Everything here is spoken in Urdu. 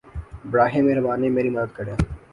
براہِ مہربانی میری مدد کیجیے